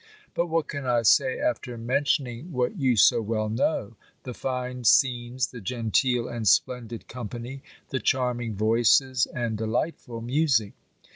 But what can I say, after mentioning what you so well know, the fine scenes, the genteel and splendid company, the charming voices, and delightful music?